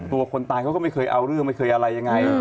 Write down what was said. คนตายเขาก็ไม่เคยเอาเรื่องไม่เคยอะไรยังไง